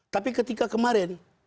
tapi ketika kemarin